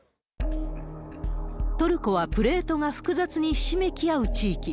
トルコはプレートが複雑にひしめき合う地域。